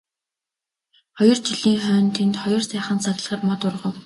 Хоёр жилийн хойно тэнд хоёр сайхан саглагар мод ургав.